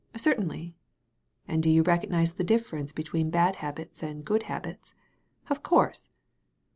"Certainly." "And do you recognize a difference between bad habits and good habits ?" "Of course."